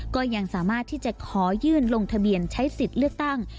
ก็ยังสามารถที่จะขอยื่นลงทะเบียนใช้สิทธิ์เลือกตั้ง